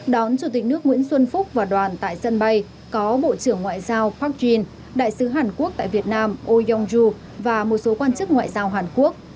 đón chủ tịch nước nguyễn xuân phúc và đoàn tại sân bay có bộ trưởng ngoại giao park jin đại sứ hàn quốc tại việt nam oyonju và một số quan chức ngoại giao hàn quốc